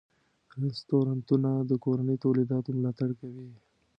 رستورانتونه د کورني تولیداتو ملاتړ کوي.